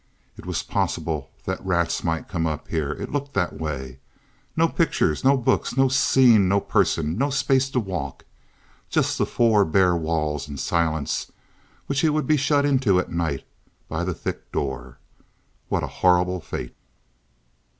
It was possible that rats might come up here—it looked that way. No pictures, no books, no scene, no person, no space to walk—just the four bare walls and silence, which he would be shut into at night by the thick door. What a horrible fate!